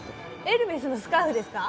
エルメスのスカーフですか？